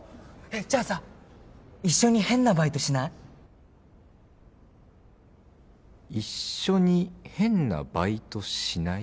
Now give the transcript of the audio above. じゃあさ一緒に変なバイトしない？「一緒に変なバイトしない？」